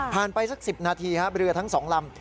ผ่านไปสัก๑๐นาทีครับเรือทั้ง๒ลำ